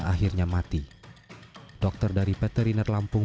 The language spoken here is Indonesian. umurnya diperkirakan sepuluh tahun